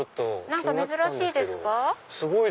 何か珍しいですか？